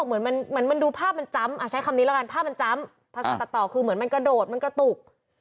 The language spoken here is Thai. เหมือนมันเหมือนมันดูภาพมันจำใช้คำนี้แล้วกันภาพมันจำภาษาตัดต่อคือเหมือนมันกระโดดมันกระตุก